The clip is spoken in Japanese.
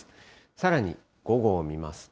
さらに午後を見ますと。